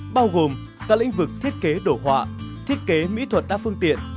bao gồm cả lĩnh vực thiết kế đổ họa thiết kế mỹ thuật đa phương tiện